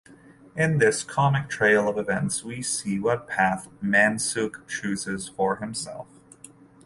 In this comic trail of events we see what path Mansukh chooses for himself.